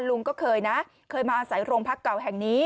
ลุงก็เคยนะเคยมาอาศัยโรงพักเก่าแห่งนี้